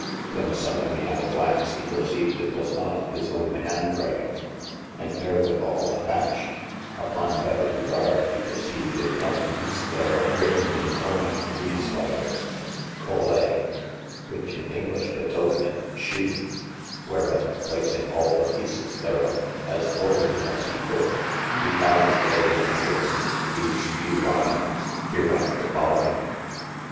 When sodenly at a glaunce he perceved it was not of his owne hand writing, and therewithall abashed, uppon better regard he perceived in one peece therof written in g. bb 385 THE ADVENTURES Romaine these letters Colei: which in english betokeneth SHE : wherfore placing all the peeces therof, as orderly as he could, he found therin written, these few lynes hereafter following.